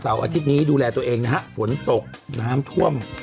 อาทิตย์นี้ดูแลตัวเองนะฮะฝนตกน้ำท่วม